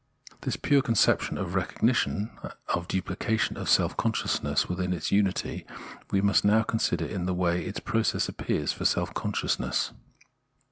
This pure conception of recognition, of duplication of self consciousness within its unity, we must now consider in the way its process appears for self conscious ness.